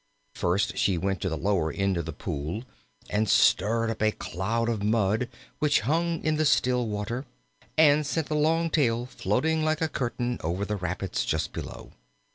First she went to the lower end of the pool and stirred up a cloud of mud which hung in the still water, and sent a long tail floating like a curtain over the rapids just below.